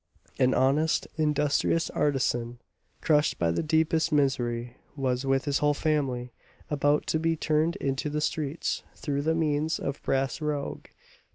An honest and industrious artisan, crushed by the deepest misery, was, with his whole family, about to be turned into the streets through the means of Bras Rouge.